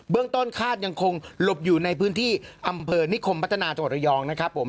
เรื่องต้นคาดยังคงหลบอยู่ในพื้นที่อำเภอนิคมพัฒนาจังหวัดระยองนะครับผม